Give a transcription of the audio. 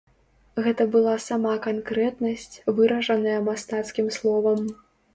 Гэта была сама канкрэтнасць, выражаная мастацкім словам.